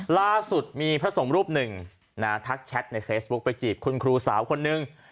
ล่าสุดมีพระสงฆ์รูปหนึ่งทักแชทในเฟซบุ๊คไปจีบคุณครูสาวคนนึง